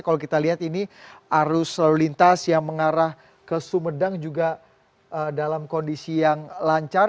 kalau kita lihat ini arus lalu lintas yang mengarah ke sumedang juga dalam kondisi yang lancar